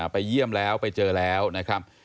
ไปเยี่ยมแล้วไปเจอแล้วนะครับ